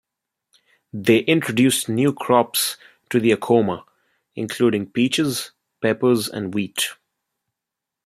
They introduced new crops to the Acoma, including peaches, peppers, and wheat.